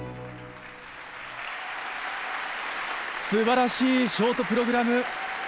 すばらしいショートプログラム。